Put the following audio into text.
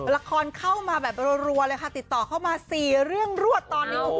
ละครเข้ามาแบบรัวเลยค่ะติดต่อเข้ามา๔เรื่องรวดตอนนี้